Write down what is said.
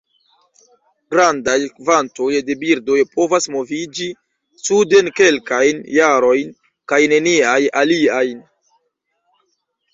Grandaj kvantoj de birdoj povas moviĝi suden kelkajn jarojn; kaj neniaj aliajn.